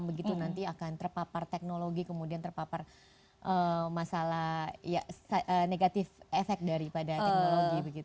begitu nanti akan terpapar teknologi kemudian terpapar masalah negatif efek daripada teknologi